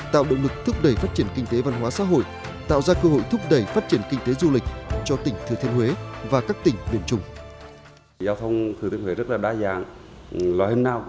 tạo động lực thúc đẩy phát triển kinh tế văn hóa xã hội tạo ra cơ hội thúc đẩy phát triển kinh tế du lịch cho tỉnh thừa thiên huế và các tỉnh miền trung